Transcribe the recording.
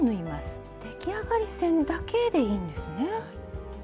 出来上がり線だけでいいんですね。